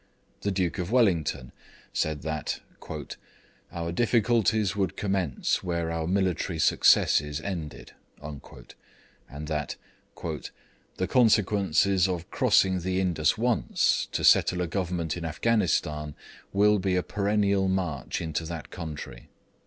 The Duke of Wellington said that 'our difficulties would commence where our military successes ended,' and that 'the consequences of crossing the Indus once, to settle a Government in Afghanistan, will be a perennial march, into that country.'